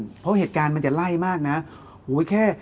เพราะว่าเหตุการณ์มันจะไล่มากนะ